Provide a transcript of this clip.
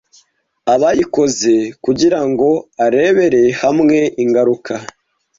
abayikoze kugirango arebere hamwe ingaruka